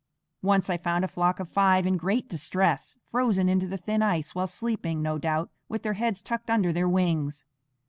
Once I found a flock of five in great distress, frozen into the thin ice while sleeping, no doubt, with heads tucked under their wings.